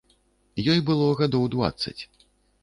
Ёй было гадоў дваццаць.